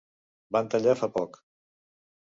Van tallar fa poc.